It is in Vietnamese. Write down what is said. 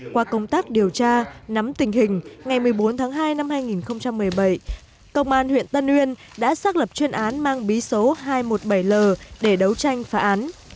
qua công tác điều tra nắm tình hình ngày một mươi bốn tháng hai năm hai nghìn một mươi bảy công an huyện tân uyên đã xác lập chuyên án mang bí số hai trăm một mươi bảy l để đấu tranh phá án